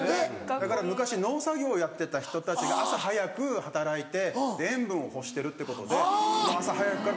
だから昔農作業やってた人たちが朝早く働いて塩分を欲してるってことで朝早くから。